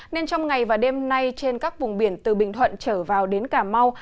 nên trong ngày và đêm nay trên các vùng biển từ bình thuận trở vào đến cà mau